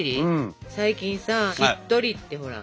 最近さ「しっとり」ってほら。